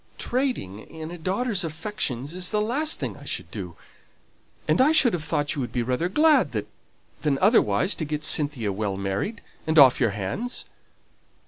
Trading in a daughter's affections is the last thing I should do; and I should have thought you would be rather glad than otherwise to get Cynthia well married, and off your hands."